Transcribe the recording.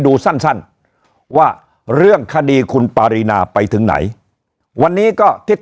ดูสั้นว่าเรื่องคดีคุณปารีนาไปถึงไหนวันนี้ก็ทิศ